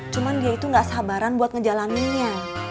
cuma dia itu gak sabaran buat ngejalaninnya